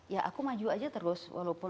ya aku maju aja terus walaupun